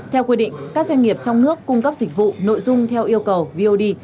theo quy định các doanh nghiệp trong nước cung cấp dịch vụ nội dung theo yêu cầu vod